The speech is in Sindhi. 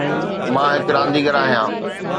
مان ھڪ رانديگر آھيان.